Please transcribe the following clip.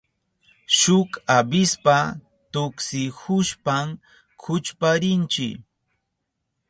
Shuk avispa tuksihushpan kuchparinchi.